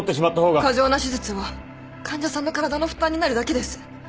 過剰な手術は患者さんの体の負担になるだけです。